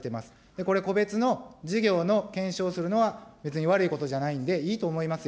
これ、個別の事業の検証するのは、別に悪いことじゃないんで、いいと思いますよ。